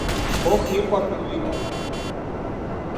Beau Hill va produir l'àlbum.